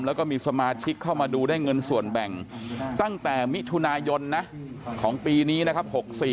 แล้วก็มีสมาชิกเข้ามาดูได้เงินส่วนแบ่งตั้งแต่มิถุนายนนะของปีนี้นะครับ๖๔